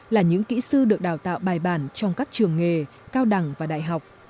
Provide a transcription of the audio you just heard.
là những kỹ sư được đào tạo bài bản trong các trường nghề cao đẳng và đại học